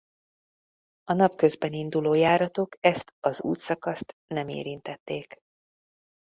A napközben induló járatok ezt az útszakaszt nem érintették.